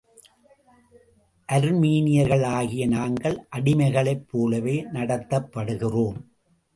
அர்மீனியர்களாகிய நாங்கள் அடிமைகளைப் போலவே நடத்தப்படுகிறோம்.